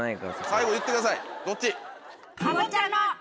最後言ってくださいどっち？